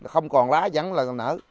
không còn lá vắng là nở